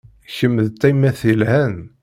Kemm d tayemmat yelhan.